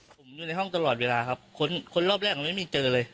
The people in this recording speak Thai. ผมอยู่ในห้องตลอดเวลาครับคนรอบแรกมันไม่มีเจอเลย